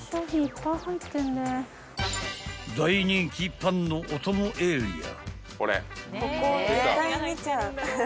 ［大人気パンのお供エリア］